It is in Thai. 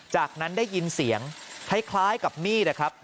จากนั้นได้ยินเสียงคล้ายกับมีดนะครับ